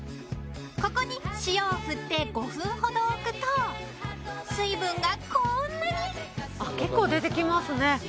ここに塩を振って５分ほど置くと水分がこんなに結構出てきますね。